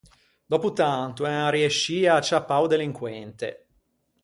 Dòppo tanto en arriescii à acciappâ o delinquente.